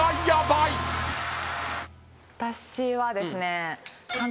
私はですね。